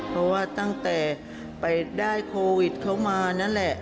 เพราะว่าตั้งแต่ไปได้โควิดเข้ามานั่นแหละ